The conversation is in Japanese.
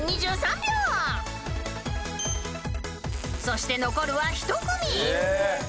［そして残るは１組］